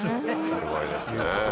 すごいですね。